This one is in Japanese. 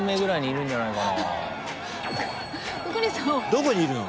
どこにいるの？